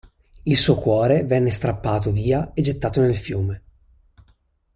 Il suo cuore venne strappato via e gettato nel fiume.